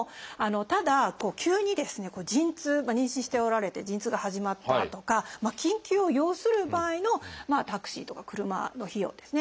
ただ急にですね陣痛妊娠しておられて陣痛が始まったとか緊急を要する場合のタクシーとか車の費用ですね。